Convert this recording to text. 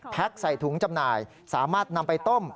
ใส่ถุงจำหน่ายสามารถนำไปต้ม